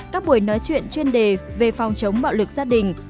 các buổi nói chuyện chuyên đề về phòng chống bạo lực gia đình